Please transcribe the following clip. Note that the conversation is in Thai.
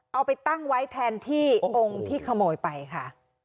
เอาไปตั้งไว้แทนที่องค์ที่ขโมยไปค่ะ